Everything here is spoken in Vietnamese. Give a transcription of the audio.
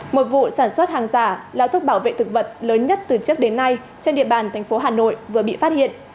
một vụ sản xuất hàng giả là thuốc bảo vệ thực vật lớn nhất từ trước đến nay trên địa bàn thành phố hà nội vừa bị phát hiện